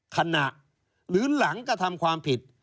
ขณะหรือหลังกระทำความผิด